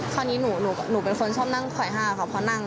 คราวนี้หนูเป็นคนชอบนั่งคอยห้าค่ะ